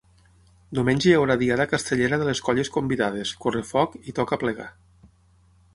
Diumenge hi haurà diada castellera de les colles convidades, correfoc i toc a plegar.